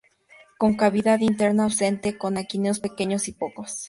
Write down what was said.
Con cavidad interna ausente, con aquenios pequeños y pocos.